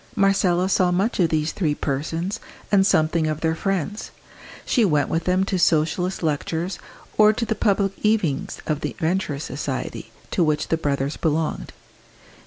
Marcella saw much of these three persons, and something of their friends. She went with them to Socialist lectures, or to the public evenings of the Venturist Society, to which the brothers belonged.